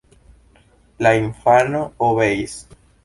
La infano obeis.